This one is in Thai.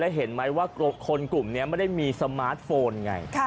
เห็นไหมว่าคนกลุ่มนี้ไม่ได้มีสมาร์ทโฟนไง